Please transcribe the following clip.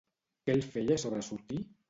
Què el feia sobresortir?